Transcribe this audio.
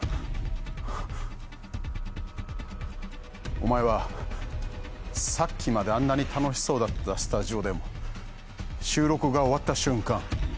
お前はさっきまであんなに楽しそうだったスタジオでも収録が終わった瞬間